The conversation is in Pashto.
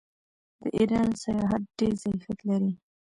د ایران سیاحت ډیر ظرفیت لري.